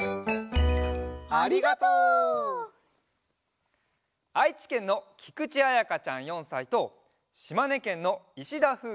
ありがとう！あいちけんのきくちあやかちゃん４さいとしまねけんのいしだふう